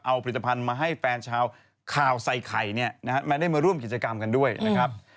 เอาผลิตภัณฑ์มาให้แฟนชาวข่าวใส่ไข่เนี่ยนะฮะมาได้มาร่วมกิจกรรมกันด้วยนะครับ